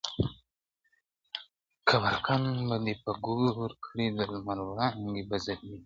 قبرکن به دي په ګورکړي د لمر وړانګي به ځلېږي،